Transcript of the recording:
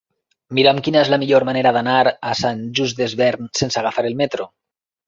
Mira'm quina és la millor manera d'anar a Sant Just Desvern sense agafar el metro.